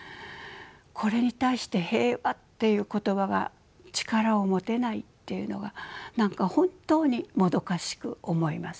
これに対して平和っていう言葉が力を持てないっていうのが何か本当にもどかしく思います。